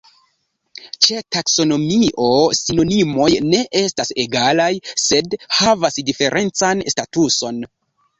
Ĉe taksonomio sinonimoj ne estas egalaj, sed havas diferencan statuson.